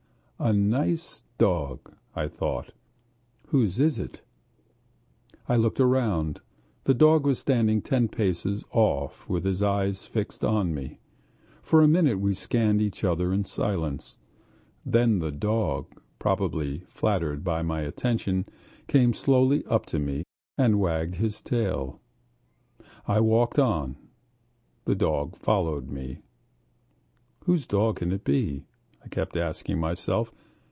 "A nice dog!" I thought. "Whose is it?" I looked round. The dog was standing ten paces off with his eyes fixed on me. For a minute we scanned each other in silence, then the dog, probably flattered by my attention, came slowly up to me and wagged his tail. I walked on, the dog following me. "Whose dog can it be?" I kept asking myself.